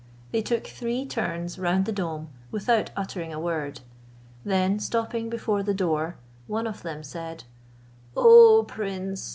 They took three turns round the dome without uttering a word; then stopping before the door, one of them said, "O prince!